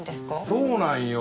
そうなんよ。